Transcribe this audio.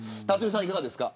辰巳さん、いかがですか。